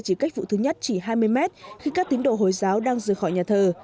chỉ cách vụ thứ nhất chỉ hai mươi mét khi các tính độ hồi giáo đang rời khỏi nhà thơ